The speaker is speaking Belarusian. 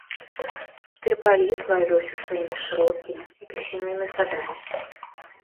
Трыпалі славіўся сваімі шырокімі апельсінавымі садамі.